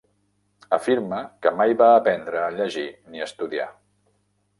Afirma que mai va aprendre a llegir ni estudiar.